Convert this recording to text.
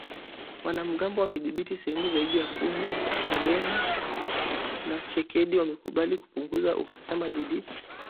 Wanamgambo wamedhibithi sehemu zaidi ya kumi, Kagame na Tshisekedi wamekubali kupunguza uhasama dhidi yao.